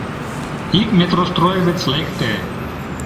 Ик метростроевец лекте.